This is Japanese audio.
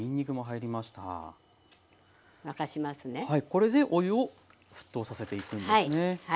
これでお湯を沸騰させていくんですね。